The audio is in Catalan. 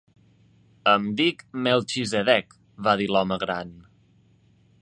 "Em dic Melchizedek", va dir l'home gran.